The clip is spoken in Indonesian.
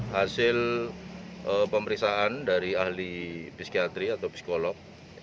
hasil pemeriksaan dari ahli psikiatri atau psikolog